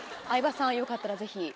相葉さんよかったらぜひ。